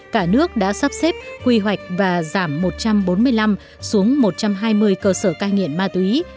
cả nước đã sắp xếp quy hoạch và giảm một trăm bốn mươi năm xuống một trăm hai mươi cơ sở cai nghiện ma túy